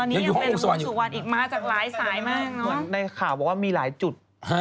เหมือนในข่าวว่ามีหลายจุด